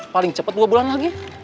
paling cepat dua bulan lagi